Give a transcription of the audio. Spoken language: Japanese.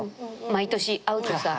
毎年会うとさ。